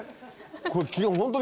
これ。